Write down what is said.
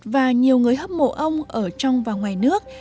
và nhiều người hâm mộ ông ở trong và ngoài nước